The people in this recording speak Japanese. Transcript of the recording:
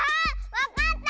わかった！